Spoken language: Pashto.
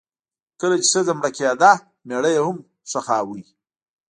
کله چې ښځه مړه کیده میړه یې هم خښاوه.